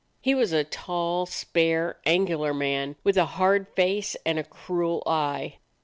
He was a tall, spare, angular man, with a hard face and a cruel eye.